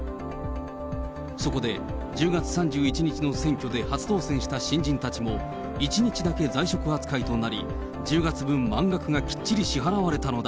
そこで、１０月３１日の選挙で初当選した新人たちも、１日だけ在職扱いとなり、１０月分満額がきっちり支払われたのだ。